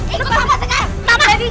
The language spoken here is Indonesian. ikut mama sekarang